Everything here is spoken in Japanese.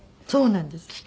そうなんです。